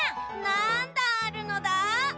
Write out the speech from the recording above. なんだんあるのだ？